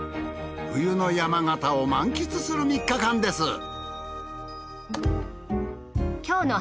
冬の山形を満喫する３日間です。